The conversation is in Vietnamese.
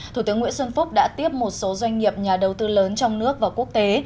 thủ tướng nguyễn xuân phúc đã tiếp một số doanh nghiệp nhà đầu tư lớn trong nước và quốc tế